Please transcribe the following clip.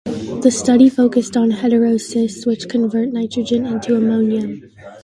The study focused on heterocysts, which convert nitrogen into ammonia.